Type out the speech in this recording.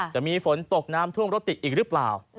จะมีฝนตกน้ำท่วมรถติดอีกหรือเปล่า